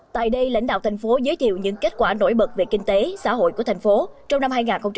tại đây lãnh đạo thành phố giới thiệu những kết quả nổi bật về kinh tế xã hội của thành phố trong năm hai nghìn hai mươi